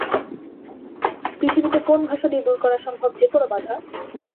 পৃথিবীতে কোন ভাষা দিয়ে দূর করা সম্ভব যেকোনো বাধা?